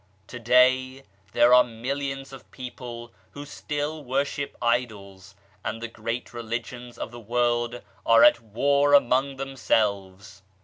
To day there are millions of people who still worship idols, and the great Religions of the world are at war among themselves.